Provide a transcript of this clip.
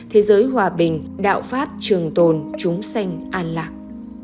thế giới hòa bình đạo pháp trường tồn chúng xanh an lạc